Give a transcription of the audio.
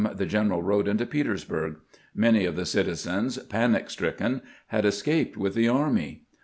the general rode into Petersburg. Many of the citizens, panic stricken, had escaped with the army.